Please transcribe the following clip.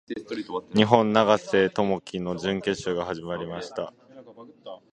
日本・永瀬貴規の準決勝が始まりました。